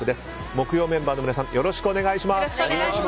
木曜メンバーの皆さんよろしくお願いします。